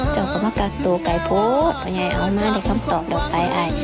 จะตัวใกล้พฤตินะตอนนี้เอามาเลยทำสอบเดี๋ยวไปอ้าว